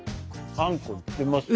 あんこいってます。